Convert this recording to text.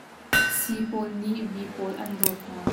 C pawl nih B pawl an rawt hna.